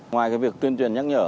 ngoài việc tuyên truyền nhắc nhở